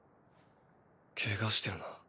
ケガしてるな。